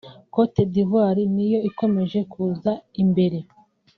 Cote d’Ivoire niyo ikomeje kuza imbere